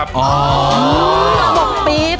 ระบบปิด